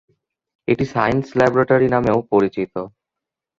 এটি science laboratory নামেও পরিচিত।